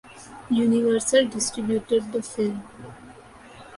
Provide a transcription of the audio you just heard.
Universal distributed the film.